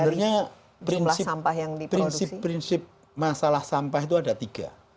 sebenarnya prinsip prinsip masalah sampah itu ada tiga